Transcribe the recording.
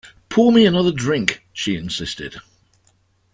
"Pour me another drink," she insisted.